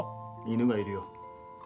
犬がいるよ。